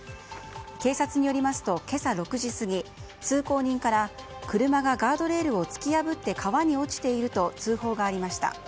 警察によりますと今朝６時過ぎ通行人から車がガードレールを突き破って川に落ちていると通報がありました。